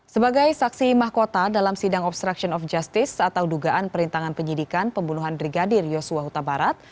sebagai saksi mahkota dalam sidang obstruction of justice atau dugaan perintangan penyidikan pembunuhan brigadir yosua huta barat